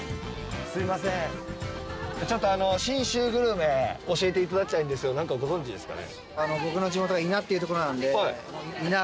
すいませんちょっと信州グルメ教えていただきたいんですけど何かご存じですかね？